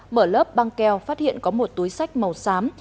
mở lớp băng keo phát hiện có một túi sách màu xám